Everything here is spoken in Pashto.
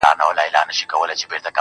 څخه چي څه ووايم څنگه درته ووايم چي~